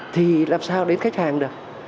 thì làm sao đến khách hàng được